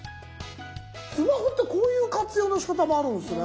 スマホってこういう活用のしかたもあるんすね。